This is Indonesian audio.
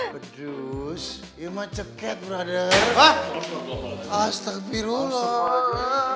berdua ilmu ceket berada astagfirullah